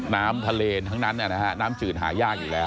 น้ำทะเลทั้งนั้นน้ำจืดหายากอยู่แล้ว